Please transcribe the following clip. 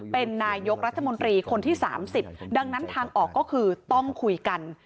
เป็นนายกรัฐมนตรีคนที่๓๐ดังนั้นทางออกก็คือต้องคุยกัน